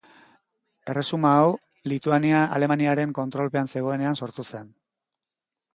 Erresuma hau Lituania Alemaniaren kontrolpean zegoenean sortu zen.